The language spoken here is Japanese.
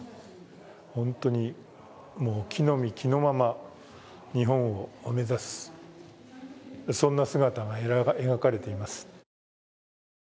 本当にもう着の身着のまま、日本を目指す、そんな姿が描かれています